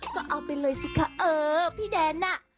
ก็เอาไปเลยสิคะเออพี่แดนน่ะ